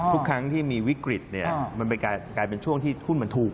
ทุกครั้งที่มีวิกฤตมันกลายเป็นช่วงที่ทุนมันถูก